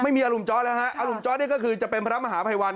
ไม่มีอารุมจอร์ดแล้วฮะอรุมจอร์ดนี่ก็คือจะเป็นพระมหาภัยวัน